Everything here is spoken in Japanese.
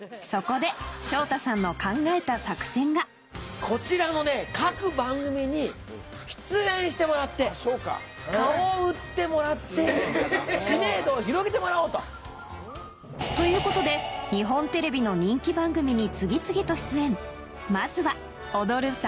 そこで昇太さんの考えた作戦がこちらの各番組に出演してもらって顔を売ってもらって知名度を広げてもらおうと。ということで日本テレビの人気番組に次々と出演まずは『踊る！